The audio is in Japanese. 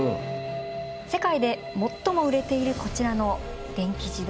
世界で最も売れているこちらの電気自動車。